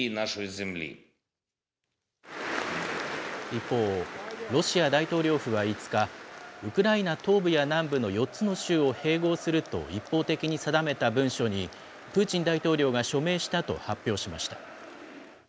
一方、ロシア大統領府は５日、ウクライナ東部や南部の４つの州を併合すると一方的に定めた文書に、プーチン大統領が署名したと発表しました。